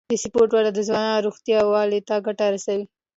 د سپورت وده د ځوانانو روغتیا او یووالي ته ګټه رسوي.